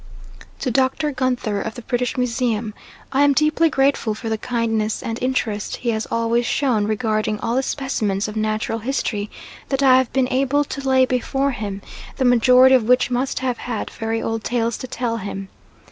To Dr. Gunther, of the British Museum, I am deeply grateful for the kindness and interest he has always shown regarding all the specimens of natural history that I have been able to lay before him; the majority of which must have had very old tales to tell him.